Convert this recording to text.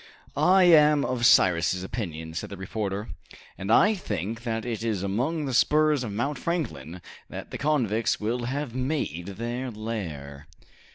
"I am of Cyrus' opinion," said the reporter, "and I think that it is among the spurs of Mount Franklin that the convicts will have made their lair."